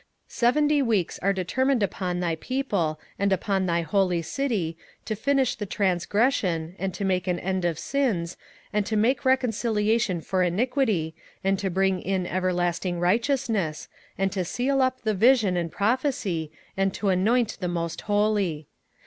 27:009:024 Seventy weeks are determined upon thy people and upon thy holy city, to finish the transgression, and to make an end of sins, and to make reconciliation for iniquity, and to bring in everlasting righteousness, and to seal up the vision and prophecy, and to anoint the most Holy.